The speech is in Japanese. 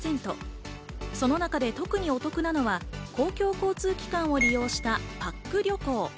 その中で特にお得なのは公共交通機関を利用したパック旅行。